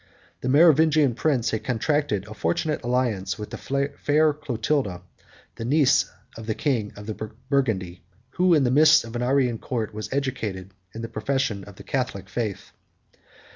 The Merovingian prince had contracted a fortunate alliance with the fair Clotilda, the niece of the king of Burgundy, who, in the midst of an Arian court, was educated in the profession of the Catholic faith.